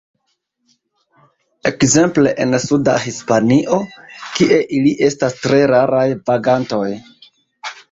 Ekzemple en suda Hispanio, kie ili estas tre raraj vagantoj.